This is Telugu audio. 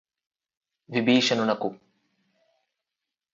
విభీషణునకు